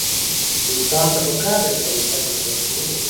انسان ته پکار ده چې اينده په نظر کې ولري.